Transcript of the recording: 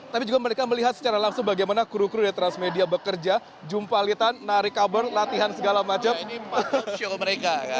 tapi juga mereka melihat secara langsung bagaimana kru kru dari transmedia bekerja jumpa alitan narik cover latihan segala macamnya